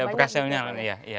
iya operasionalnya iya